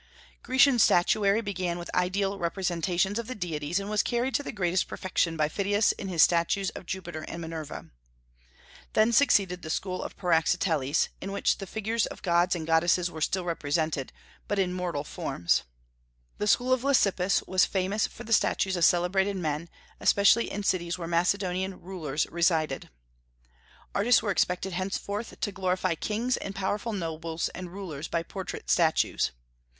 Grecian statuary began with ideal representations of the deities, and was carried to the greatest perfection by Phidias in his statues of Jupiter and Minerva. Then succeeded the school of Praxiteles, in which the figures of gods and goddesses were still represented, but in mortal forms. The school of Lysippus was famous for the statues of celebrated men, especially in cities where Macedonian rulers resided. Artists were expected henceforth to glorify kings and powerful nobles and rulers by portrait statues.